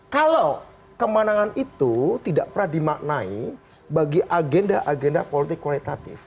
kalau kemenangan itu tidak pernah dimaknai bagi agenda agenda politik kualitatif